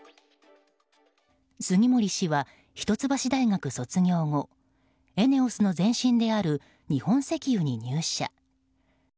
杉森氏は一橋大学卒業後ＥＮＥＯＳの前身である日本石油に入社。